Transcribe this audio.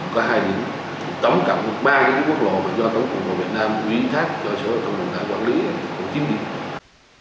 có hai điểm tổng cộng ba cái quốc lộ và giao thông của quốc lộ việt nam quý thác cho sở giao thông vận tải quản lý của chính mình